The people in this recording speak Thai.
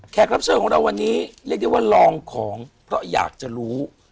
รับเชิญของเราวันนี้เรียกได้ว่าลองของเพราะอยากจะรู้